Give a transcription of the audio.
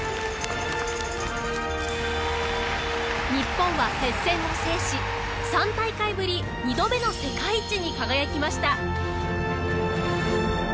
日本は接戦を制し３大会ぶり２度目の世界一に輝きました。